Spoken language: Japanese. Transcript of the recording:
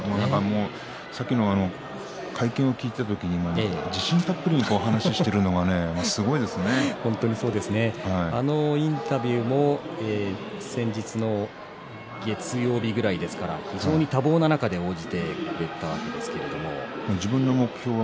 さっきの会見を聞いていた時自信たっぷりに話をしているのが先ほどのインタビューも先日の月曜日ぐらいですから非常に多忙な中で応じてくれたわけですけども。